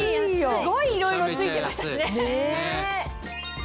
すごいいろいろ付いてましたしね。